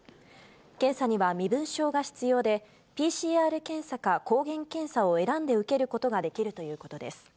検査には身分証が必要で、ＰＣＲ検査か、抗原検査を選んで受けることができるということです。